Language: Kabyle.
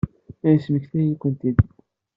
Aya yesmektay-iyi-kent-id.